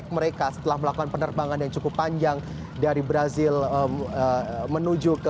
mas pertanyaan singkat saja